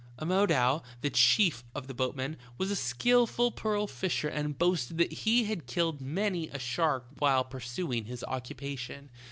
" Amodou, the chief of the boatmen, was a skill ful pearl fisher, and boasted that he had killed many a shark while pursuing his occupation.